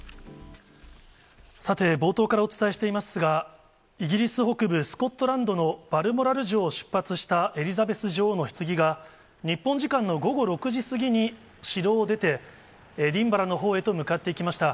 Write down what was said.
さて、冒頭からお伝えしていますが、イギリス北部スコットランドのバルモラル城を出発したエリザベス女王のひつぎが、日本時間の午後６時過ぎに城を出て、エディンバラのほうへと向かっていきました。